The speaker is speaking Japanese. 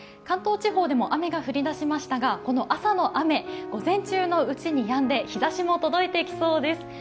関東地方でも雨が降り出しましたがこの朝の雨、午前中のうちにやんで日ざしも届いてきそうです。